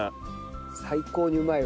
最高にうまいわ。